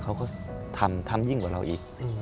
เขาก็ทำทำยิ่งกว่าเราอีก